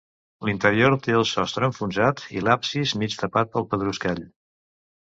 L'interior té el sostre enfonsat i l'absis mig tapat pel pedruscall.